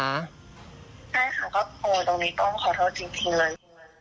ใช่ค่ะก็โอ้ตรงนี้ต้องขอโทษจริงนะ